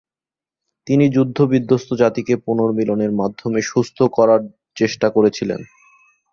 তিনি যুদ্ধ-বিধ্বস্ত জাতিকে পুনর্মিলনের মাধ্যমে সুস্থ করার চেষ্টা করেছিলেন।